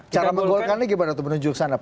cara menggolkan ini gimana